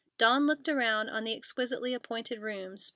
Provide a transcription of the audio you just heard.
Dawn looked around on the exquisitely appointed rooms.